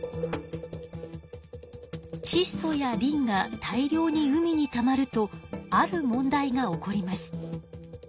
ちっそやリンが大量に海にたまるとある問題が起こります。